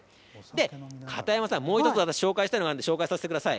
で、片山さん、もう１つ紹介したいのがあるんで、紹介させてください。